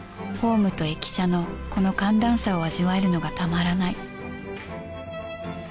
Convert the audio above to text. ホームと駅舎のこの寒暖差を味わえるのがたまらない